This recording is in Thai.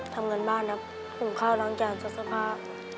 ทำงานบ้านหุ้มข้าร้างจานสักผ้า